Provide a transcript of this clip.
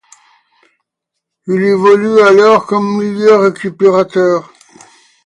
Il évolue alors comme milieu récupérateur.